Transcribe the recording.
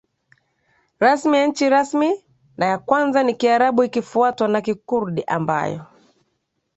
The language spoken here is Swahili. rasmi ya nchi rasmi na ya kwanza ni Kiarabu ikifuatwa na Kikurdi ambayo